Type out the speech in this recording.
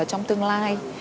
trong tương lai